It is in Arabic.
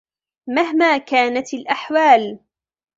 مهما كانت الأحوال.